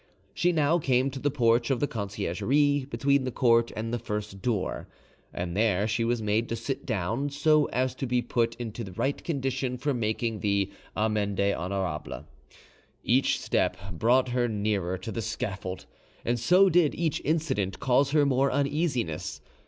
She now came to the porch of the Conciergerie, between the court and the first door, and there she was made to sit down, so as to be put into the right condition for making the 'amende honorable'. Each step brought her nearer to the scaffold, and so did each incident cause her more uneasiness.